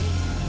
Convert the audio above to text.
ini murni eyang